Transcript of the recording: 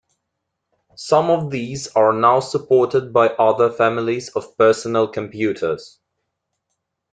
Some of these are now supported by other families of personal computers.